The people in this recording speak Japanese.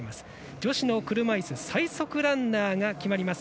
女子の車いす、最速ランナーが決まります。